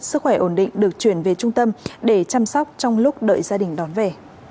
sức khỏe ổn định được chuyển về trung tâm để chăm sóc trong lúc đợi gia đình đón về